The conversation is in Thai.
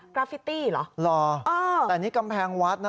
ราฟิตี้เหรอหรอแต่นี่กำแพงวัดนะ